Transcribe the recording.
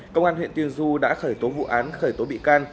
công an huyện tiên du đã khởi tố vụ án khởi tố bị can